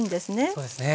そうですね。